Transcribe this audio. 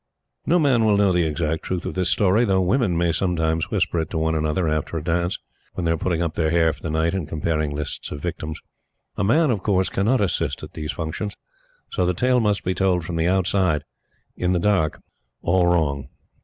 No man will ever know the exact truth of this story; though women may sometimes whisper it to one another after a dance, when they are putting up their hair for the night and comparing lists of victims. A man, of course, cannot assist at these functions. So the tale must be told from the outside in the dark all wrong.